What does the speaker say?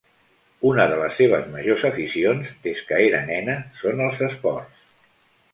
Una de les seves majors aficions, des que era nena, són els esports.